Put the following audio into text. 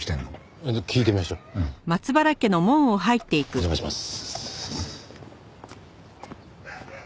お邪魔します。